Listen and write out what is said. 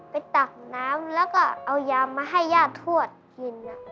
ตักน้ำแล้วก็เอายามาให้ย่าทวดกิน